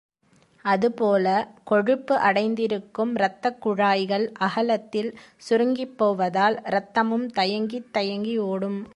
அதுபோல, கொழுப்பு அடைந்திருக்கும் இரத்தக் குழாய்கள் அகலத்தில் சுருங்கிப்போவதால், இரத்தமும் தயங்கித் தயங்கி ஓடும்.